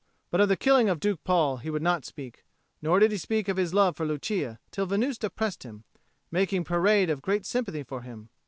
But of the killing of Duke Paul he would not speak; nor did he speak of his love for Lucia till Venusta pressed him, making parade of great sympathy for him.